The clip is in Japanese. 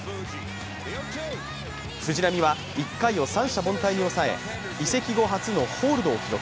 藤浪は１回を三者凡退に抑え移籍後初のホールドを記録。